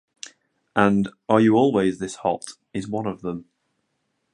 And "Are You Always This Hot" is one of them.